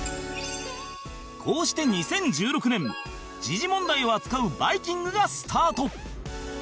こうして２０１６年時事問題を扱う『バイキング』がスタート